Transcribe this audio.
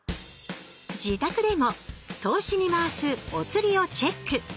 自宅でも投資に回すおつりをチェック。